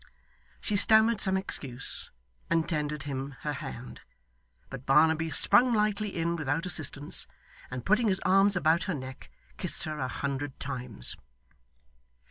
She stammered some excuse and tendered him her hand. But Barnaby sprung lightly in without assistance, and putting his arms about her neck, kissed her a hundred times.